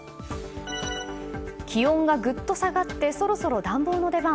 気温がぐっと下がってそろそろ暖房の出番。